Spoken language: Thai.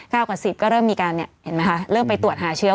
กว่าสิบก็เริ่มมีการเนี่ยเห็นไหมคะเริ่มไปตรวจหาเชื้อ